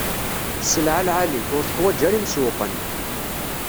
Sselɛa lɛali, ur teḥwaǧ ara imsewwqen.